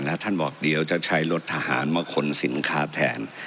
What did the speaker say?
แล้วท่านบอกเดี๋ยวจะใช้รถทหารมาขนสินค้าแทน